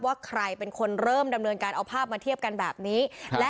ว่าใครเป็นคนเริ่มดำเนินการเอาภาพมาเทียบกันแบบนี้